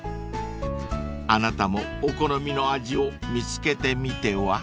［あなたもお好みの味を見つけてみては？］